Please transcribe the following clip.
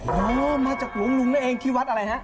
โหมาจากลุงนั่นเองที่วัดอะไรฮะ